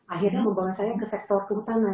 akhirnya membawa saya ke sektor hutan